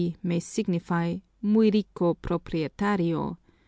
may signify "Muy Rico Propietario."